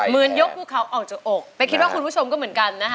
ยกภูเขาออกจากอกไปคิดว่าคุณผู้ชมก็เหมือนกันนะคะ